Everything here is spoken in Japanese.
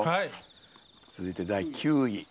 続いて第９位。